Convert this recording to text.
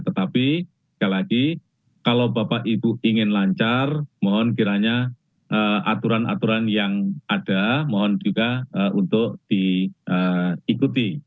tetapi sekali lagi kalau bapak ibu ingin lancar mohon kiranya aturan aturan yang ada mohon juga untuk diikuti